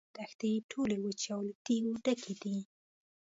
دښتې یې ټولې وچې او له تیږو ډکې دي.